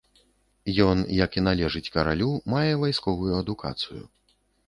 Ён, як і належыць каралю, мае вайсковую адукацыю.